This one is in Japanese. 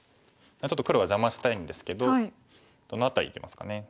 ちょっと黒は邪魔したいんですけどどの辺りいきますかね。